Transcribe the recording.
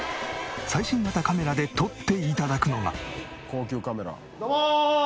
最新型カメラで撮って頂くのが。